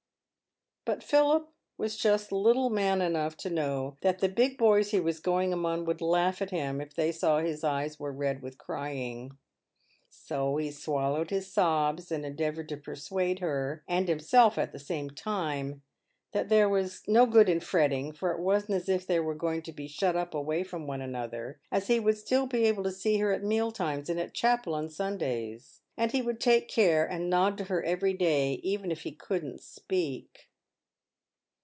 But Philip was just little man enough to know that the big boys he was going among would laugh at him if they saw his eyes were red with crying ; so he swallowed his sobs, and endeavoured to persuade her (and himself at the same time) that " there was no good in fretting, for it wasn't as if they were going to be shut up away from one another, as he would still be able to see PAVED WITH GOLD. 49 her at meal times and at chapel on Sundays, and he would take care and nod to her every day even if he couldn't speak."